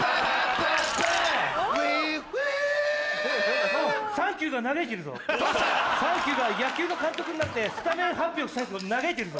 どうした⁉サンキューが野球の監督になってスタメン発表したいと嘆いてるぞ！